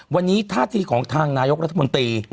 วันนี้ท่าทีของทางนายกรัฐมนตรี